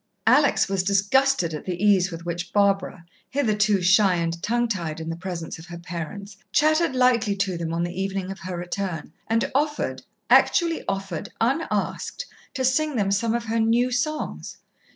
Alex was disgusted at the ease with which Barbara, hitherto shy and tongue tied in the presence of her parents, chattered lightly to them on the evening of her return, and offered actually offered unasked! to sing them some of her new songs.